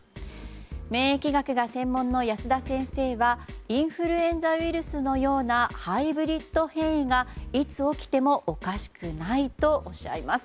免疫学が専門の保田先生はインフルエンザウイルスのようなハイブリッド変異がいつ起きてもおかしくないとおっしゃいます。